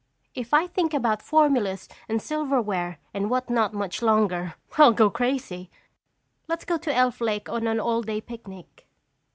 "If I think about formulas and silverware and what not much longer, I'll go crazy. Let's go to Elf Lake on an all day picnic."